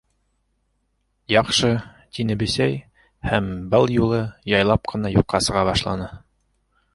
—Яҡшы, —тине Бесәй һәм был юлы яйлап ҡына юҡҡа сыға башланы.